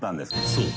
［そう。